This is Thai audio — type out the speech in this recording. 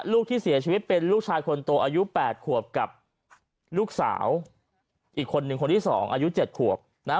ลูกที่เสียชีวิตเป็นลูกชายคนโตอายุ๘ขวบกับลูกสาวอีกคนนึงคนที่สองอายุเจ็ดขวบนะฮะ